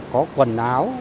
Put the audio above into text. có quần áo